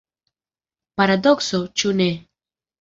Paradokso, ĉu ne?